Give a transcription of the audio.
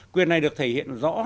quyền này được thể hiện rõ